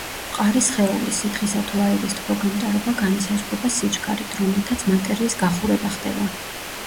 მყარი სხეულის, სითხისა თუ აირის თბოგამტარობა განისაზღვრება სიჩქარით, რომლითაც მატერიის გახურება ხდება.